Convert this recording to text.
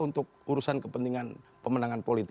untuk urusan kepentingan pemenangan politik